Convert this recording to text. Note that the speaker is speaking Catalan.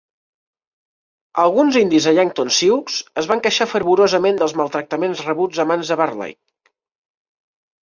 Alguns indis de Yankton Sioux es van queixar fervorosament dels maltractaments rebuts a mans de Burleigh.